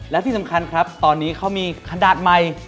และที่สำคัญครับตอนนี้เขามีขนาดใหม่